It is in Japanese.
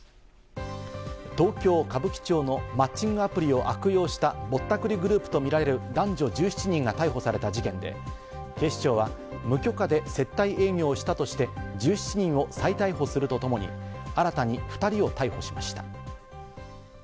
東京・歌舞伎町のマッチングアプリを悪用したぼったくりグループとみられる男女１７人が逮捕された事件で、警視庁は無許可で接待営業をしたとして、１７人を再逮捕するとともに、新たに２人を逮捕しました。